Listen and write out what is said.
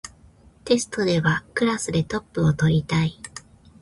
テストではクラスでトップを取りたい